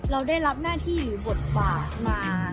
เราได้รับหน้าที่หรือบทบาทมา